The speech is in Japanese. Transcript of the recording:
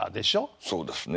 そうですね。